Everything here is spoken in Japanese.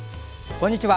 こんにちは。